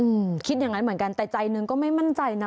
อืมคิดอย่างงั้นเหมือนกันแต่ใจหนึ่งก็ไม่มั่นใจนะ